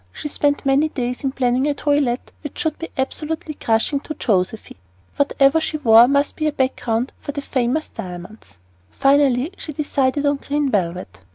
She spent many days in planning a toilet that should be absolutely crushing to Josephine. Whatever she wore must be a background for the famous diamonds. Finally she decided on green velvet.